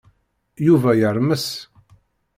Yuba yermes.